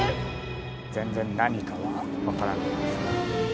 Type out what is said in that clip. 全然、何かは分からないですね。